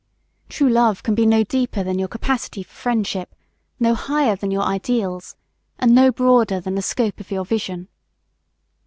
True Love can be no deeper than your capacity for friendship, no higher than your ideals, and no broader than the scope of your vision.